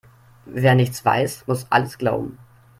Wer nichts weiß, muss alles glauben.